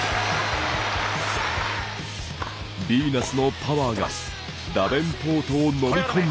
ビーナスのパワーがダベンポートを飲み込んでいく。